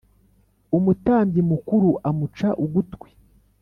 Umutambyi mukuru amuca ugutwi